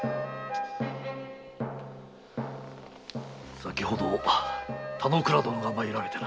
先ほど田之倉殿が参られてな。